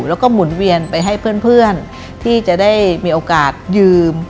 แล้วก็หมุนเวียนไปให้เพื่อนที่จะได้มีโอกาสยืม